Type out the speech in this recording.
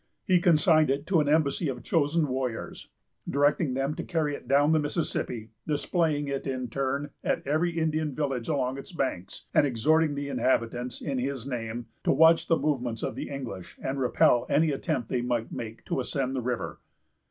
He consigned it to an embassy of chosen warriors, directing them to carry it down the Mississippi, displaying it, in turn, at every Indian village along its banks; and exhorting the inhabitants, in his name, to watch the movements of the English, and repel any attempt they might make to ascend the river.